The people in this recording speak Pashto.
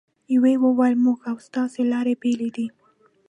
یوه یې وویل: زموږ او ستاسې لارې بېلې دي.